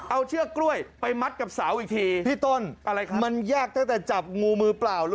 เอาเชือกกล้วยไปมัดกับเสาอีกทีพี่ต้นอะไรครับมันยากตั้งแต่จับงูมือเปล่า